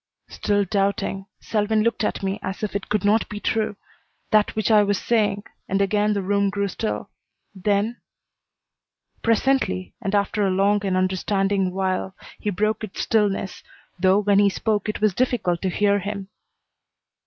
Still doubting, Selwyn looked at me as if it could not be true, that which I was saying, and again the room grew still. Then Presently, and after a long and understanding while, he broke its stillness, though when he spoke it was difficult to hear him.